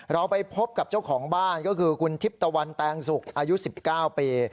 เราไปพบกับเจ้าของบ้านก็คือคุณทิพย์ตะวันแตงสุกอายุ๑๙ปี